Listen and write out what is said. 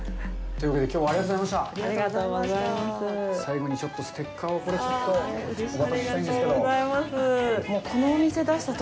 ということで、きょうはありがとうございました。